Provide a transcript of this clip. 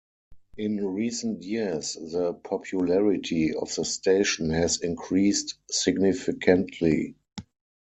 In recent years the popularity of the station has increased significantly.